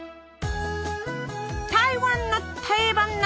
台湾の定番夏